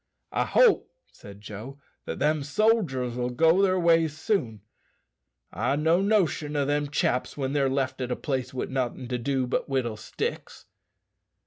"I hope," said Joe, "that them sodgers'll go their ways soon. I've no notion o' them chaps when they're left at a place wi' nothin' to do but whittle sticks."